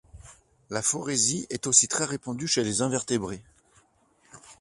La phorésie est aussi très répandue chez les invertébrés.